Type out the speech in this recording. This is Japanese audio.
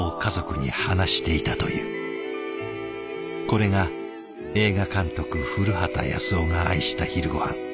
これが映画監督降旗康男が愛した昼ごはん。